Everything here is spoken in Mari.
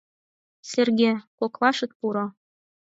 Серге, коклаш ит пуро.